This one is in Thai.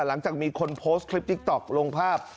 หลังจากมีคนโพสต์คลิปติ๊กต๊อกลงภาพ